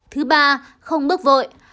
thứ ba không bước vội